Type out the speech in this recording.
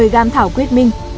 một mươi g thảo quyết minh